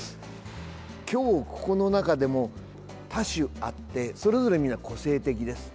今日ここの中でも多種あってそれぞれ皆、個性的です。